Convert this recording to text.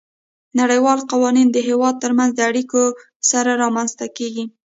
نړیوال قوانین د هیوادونو ترمنځ د اړیکو سره رامنځته کیږي